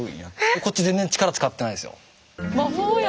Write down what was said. こっち全然力使ってないですよ。